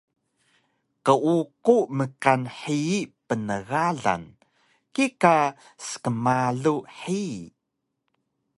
Qeuqu mkan hiyi pnegalang kika skmalu hiyi